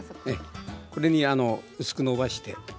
これに薄く伸ばして。